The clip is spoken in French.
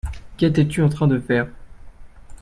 Qu'étais-tu en train de faire ?